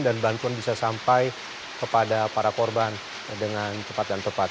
dan bantuan bisa sampai kepada para korban dengan cepat dan tepat